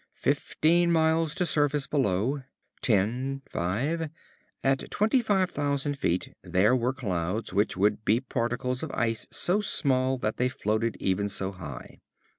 Fifteen miles to surface below. Ten. Five. At twenty five thousand feet there were clouds, which would be particles of ice so small that they floated even so high.